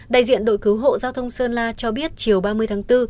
đại diện đội cứu hộ giao thông sơn la cho biết chiều ba mươi tháng bốn